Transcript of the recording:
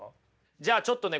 じゃあちょっとね